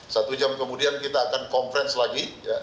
satu jam kemudian kita akan conference lagi